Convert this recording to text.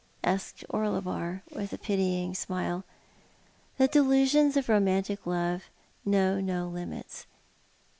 " asked Orlebar, with a pitying smile. The delusions of romantic love know no limits.